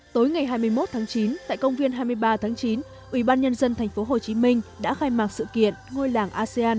tối ngày hai mươi một tháng chín tại công viên hai mươi ba tháng chín ủy ban nhân dân thành phố hồ chí minh đã khai mạc sự kiện ngôi làng asean